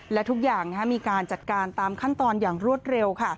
และทุกอย่างมีการจัดการตามขั้นตอนอย่างรวดเร็ว